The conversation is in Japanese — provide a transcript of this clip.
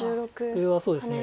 これはそうですね。